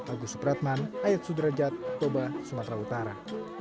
agus supratman ayat sudrajat toba sumatera utara